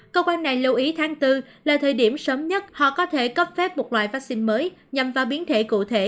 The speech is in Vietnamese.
cơ quan này lưu ý tháng bốn là thời điểm sớm nhất họ có thể cấp phép một loại vaccine mới nhằm vào biến thể cụ thể